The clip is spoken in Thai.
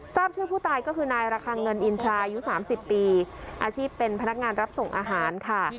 ทราบชื่อผู้ตายก็คือนายระคังเงินอินทรายุ๓๐ปีอาชีพเป็นพนักงานรับส่งอาหารค่ะ